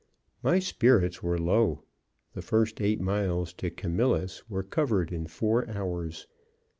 My spirits were low. The first eight miles to Camillus were covered in four hours.